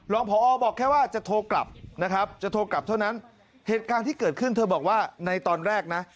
ผอบอกแค่ว่าจะโทรกลับนะครับจะโทรกลับเท่านั้นเหตุการณ์ที่เกิดขึ้นเธอบอกว่าในตอนแรกนะ